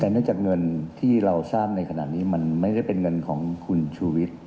แต่เนื่องจากเงินที่เราทราบในขณะนี้มันไม่ได้เป็นเงินของคุณชูวิทย์